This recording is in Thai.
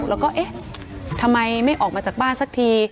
แล้วก็เอ๊ะทำไมไม่ออกมาจากบ้านสักที